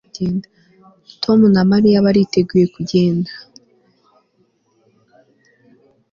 tom na mariya bariteguye kugenda